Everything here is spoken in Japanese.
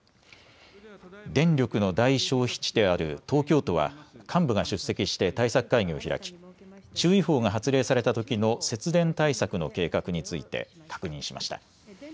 電力の大消費地である東京都は幹部が出席して対策会議を開き注意報が発令されたときの節電対策の計画について確認しました。